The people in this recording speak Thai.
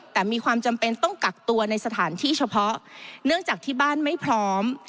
แต่มีความจำเป็นต้องกักตัวในสถานที่เฉพาะเนื่องจากที่บ้านไม่พร้อม